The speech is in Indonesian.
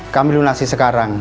kami lunasi sekarang